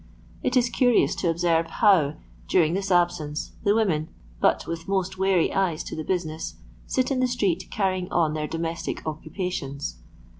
It is curious to observe how, during this absence, the women, but with most wary eyes to the business, sit in the street carrying on their domestic occupations.